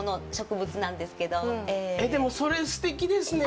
それ、すてきですね。